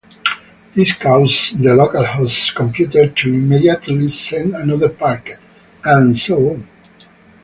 This causes the local host computer to immediately send another packet, and so on.